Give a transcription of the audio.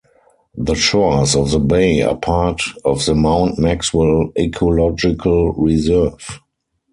The shores of the bay are part of the Mount Maxwell Ecological Reserve.